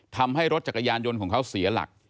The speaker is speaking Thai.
ทำให้รถจักรยานยนต์ของเขาเสียหลัก